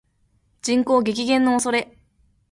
人口激減の恐れ